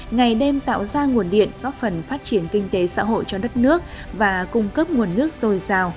ngày đêm tạo ra nguồn điện góp phần phát triển kinh tế xã hội cho đất nước và cung cấp nguồn nước dồi dào